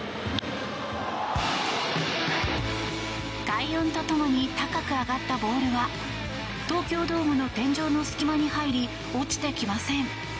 快音と共に高く上がったボールは東京ドームの天井の隙間に入り落ちてきません。